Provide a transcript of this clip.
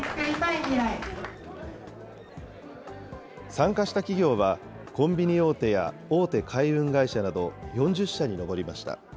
参加した企業はコンビニ大手や、大手海運会社など４０社に上りました。